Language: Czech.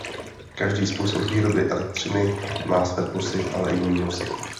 Každý způsob výroby elektřiny má své plusy, ale i mínusy.